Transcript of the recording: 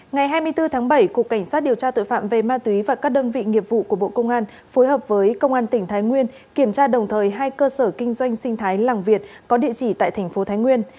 ngày hai mươi bốn tháng bảy cục cảnh sát điều tra tội phạm về ma túy và các đơn vị nghiệp vụ của bộ công an phối hợp với công an tỉnh thái nguyên kiểm tra đồng thời hai cơ sở kinh doanh sinh thái làng việt có địa chỉ tại thành phố thái nguyên